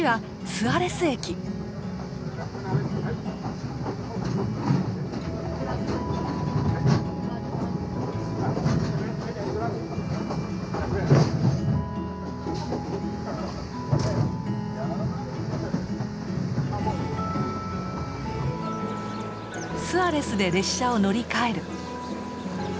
スアレスで列車を乗り換える。